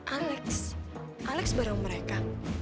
alex alex bareng mereka